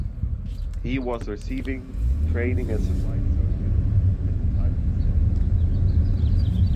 He was receiving training as a flight surgeon at the time of his death.